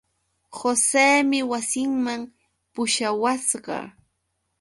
Joseemi wasinman pushawasqa.